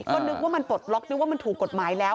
ก็นึกว่ามันปลดล็อกนึกว่ามันถูกกฎหมายแล้ว